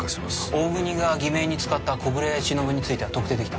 大國が偽名に使った小暮しのぶについては特定できた。